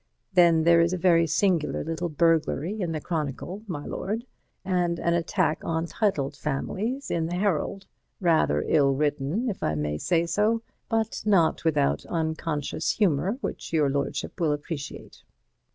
Then there is a very singular little burglary in the Chronicle, my lord, and an attack on titled families in the Herald—rather ill written, if I may say so, but not without unconscious humour which your lordship will appreciate."